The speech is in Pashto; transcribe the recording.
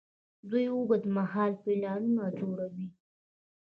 دوی اوږدمهاله پلانونه جوړوي.